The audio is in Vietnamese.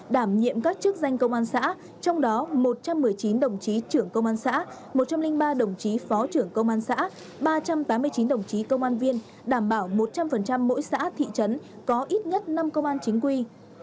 đảm nhiệm các chức danh công an xã trong đó một trăm một mươi chín đồng chí trưởng công an xã một trăm linh ba đồng chí phó trưởng công an xã ba trăm tám mươi chín đồng chí công an viên đảm bảo một trăm linh mỗi xã thị trấn có ít nhất năm công an chính quy